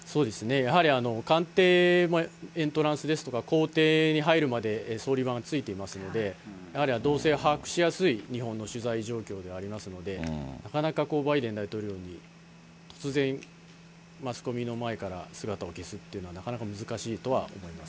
やはり官邸エントランスですとか、公邸に入るまで総理番がついていますので、やはり動静把握しやすい日本の取材状況ではありますので、なかなかバイデン大統領のように突然、マスコミの前から姿を消すっていうのは、なかなか難しいとは思います。